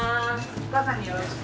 おかあさんによろしく。